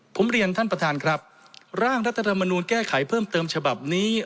ผมเรียนท่านประธานครับร่างรัฐธรรมนูลแก้ไขเพิ่มเติมฉบับนี้